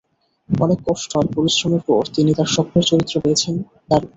অনেক কষ্ট আর পরিশ্রম এর পর তিনি তার স্বপ্নের চরিত্র পেয়েছেন দারুন!